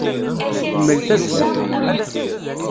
Kemmel tazzla!